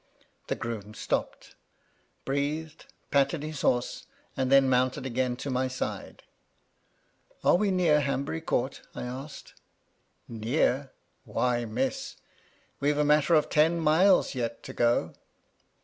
The groom stopped, breathed, patted his horse, and then mounted again to my side. " Are we near Hanbury Court ?" I asked. " Near 1 Why, Miss 1 we've a matter of ten mile yet to go."